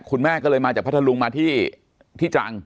คุณแม่ก็เลยมาจากพัทธรุงมาที่ตรัง